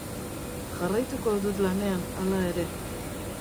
Jarraituko dut lanean, hala ere.